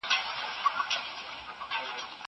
زه له سهاره کتابونه ليکم!!